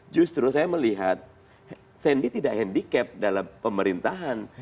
justru saya melihat sandi tidak handicap dalam pemerintahan